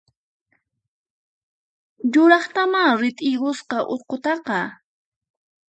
Yuraqtamá rit'irusqa urqutaqa!